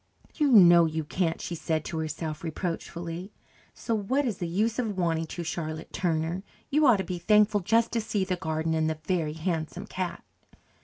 "You know you can't," she said to herself reproachfully, "so what is the use of wanting to, Charlotte Turner? You ought to be thankful just to see the garden and the Very Handsome Cat."